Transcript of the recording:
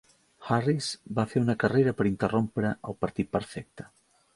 Harris va fer una carrera per interrompre el partit perfecte.